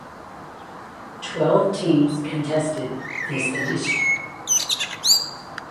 Twelve teams contested this edition.